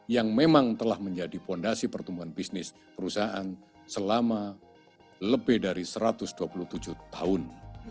yang memang telah menjadi fondasi pertumbuhan bisnis perusahaan selama lebih dari satu ratus dua puluh tujuh tahun